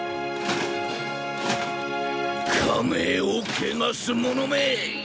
家名を汚す者め！